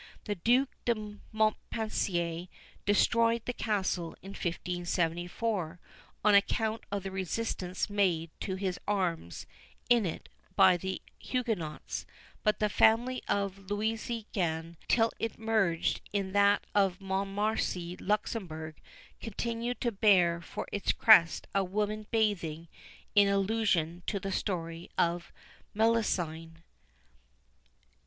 The Duke de Montpensier destroyed the castle in 1574, on account of the resistance made to his arms in it by the Huguenots; but the family of Lusignan, till it merged in that of Montmorency Luxembourg, continued to bear for its crest a woman bathing, in allusion to the story of Melusine.